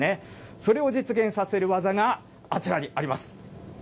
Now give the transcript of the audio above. それを実現させる技があちらにあります。